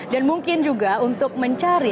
dan mungkin juga untuk mencari